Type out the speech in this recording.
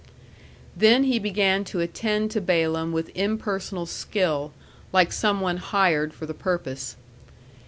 Then he began to attend to Balaam with impersonal skill, like some one hired for the purpose.